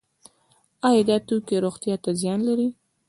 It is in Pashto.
آیا دا توکي روغتیا ته زیان لري؟